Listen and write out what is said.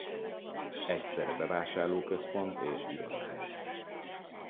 Egyszerre bevásárlóközpont és irodaház.